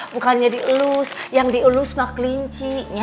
bukannya dielus yang dielus mah kelinci